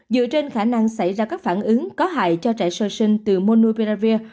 dựa trên khả năng xảy ra các phản ứng có hại cho trẻ sơ sinh từ monuperavir